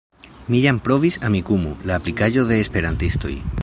Mi jam provis Amikumu, la aplikaĵo de Esperantistoj.